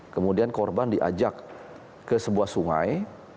kemudian korban diajak ke sebuah sungai